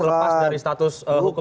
lepas dari status hukum